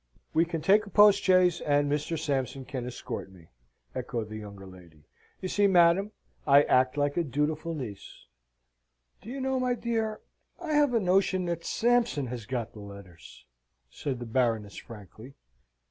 "We can take a postchaise, and Mr. Sampson can escort me," echoed the younger lady. "You see, madam, I act like a dutiful niece." "Do you know, my dear, I have a notion that Sampson has got the letters?" said the Baroness, frankly.